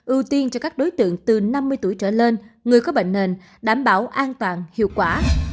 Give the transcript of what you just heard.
ưu tiên cho các đối tượng từ năm mươi tuổi trở lên người có bệnh nền đảm bảo an toàn hiệu quả